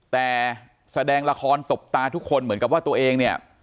แต่แสดงละครตบตาทุกคนเหมือนกับว่าตัวเองเนี่ย